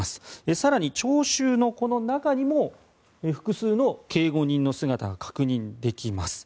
更に、聴衆の中にも複数の警護人の姿が確認できます。